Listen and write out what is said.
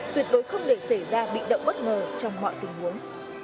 tuyệt đối không để xảy ra bị động bất ngờ trong mọi tình huống